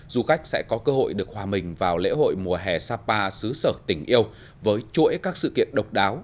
du khách sẽ có cơ hội được hòa mình vào lễ hội mùa hè sapa xứ sở tình yêu với chuỗi các sự kiện độc đáo